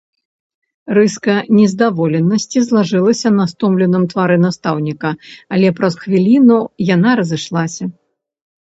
Рыска нездаволенасці злажылася на стомленым твары настаўніка, але праз хвіліну яна разышлася.